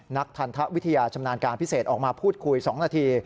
นักทันทวิทยาชำนาญการพิเศษออกมาพูดคุย๒นาที